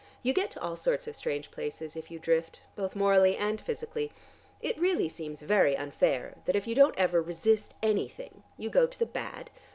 You get to all sorts of strange places if you drift, both morally and physically. It really seems very unfair, that if you don't ever resist anything, you go to the bad.